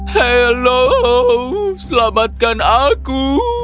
halo selamatkan aku